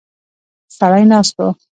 سړی ناست و.